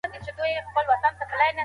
عمر غوښتل چې د غلام نیت معلوم کړي.